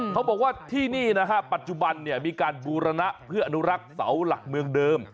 เขาบอกว่าที่นี่นะฮะปัจจุบันมีการบูรณะเพื่ออนุรักษ์เสาหลักเมืองเดิม